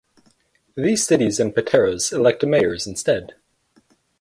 These cities and Pateros elect mayors instead.